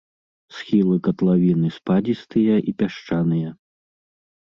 Схілы катлавіны спадзістыя і пясчаныя.